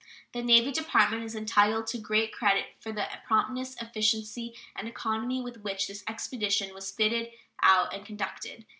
The Navy Department is entitled to great credit for the promptness, efficiency, and economy with which this expedition was fitted out and conducted.